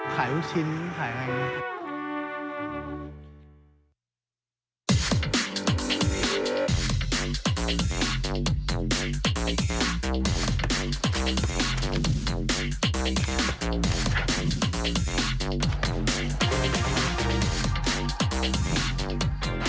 ขายลูกชิ้นขายอะไรอย่างนี้